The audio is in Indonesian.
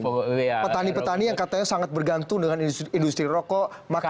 petani petani yang katanya sangat bergantung dengan industri rokok makanan